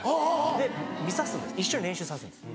で見さすんです一緒に練習させるんです。